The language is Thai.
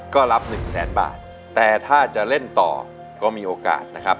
ก็รับหนึ่งแสนบาทแต่ถ้าจะเล่นต่อก็มีโอกาสนะครับ